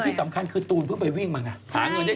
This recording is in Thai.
ที่สำคัญคือตูนเพิ่งไปวิ่งมาไงหาเงินได้